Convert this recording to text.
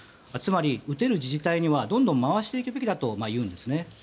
つまり、打てる自治体にはどんどん回していくべきだというんです。